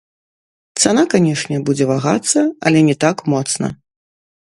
Цана, канешне, будзе вагацца, але не так моцна.